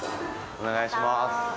お願いします。